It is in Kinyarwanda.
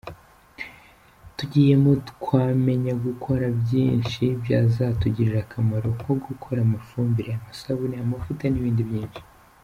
Tugiyemo twamenya gukora byinshi byazatugirira akamaro nko gukora amafumbire, amasabune, amavuta n’ibindi byinshi.